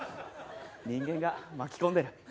人間が巻き込んでる。